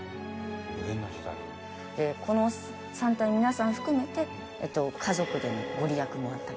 この３体皆さん含めて家族でのご利益もあったりする。